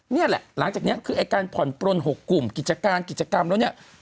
นี่แหละหลังจากนี้คือไอ้การผ่อนปลน๖กลุ่มกิจการกิจกรรมแล้วเนี่ย